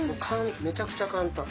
めちゃくちゃ簡単。